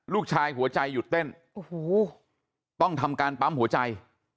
ลูกชายหัวใจหยุดเต้นต้องทำการปั๊มหัวใจ